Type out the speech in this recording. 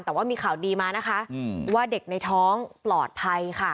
แต่ว่ามีข่าวดีมานะคะว่าเด็กในท้องปลอดภัยค่ะ